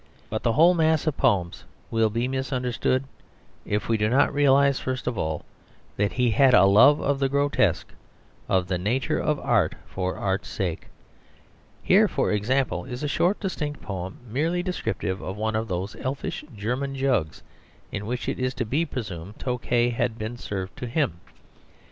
But the whole mass of poems will be misunderstood if we do not realise first of all that he had a love of the grotesque of the nature of art for art's sake. Here, for example, is a short distinct poem merely descriptive of one of those elfish German jugs in which it is to be presumed Tokay had been served to him.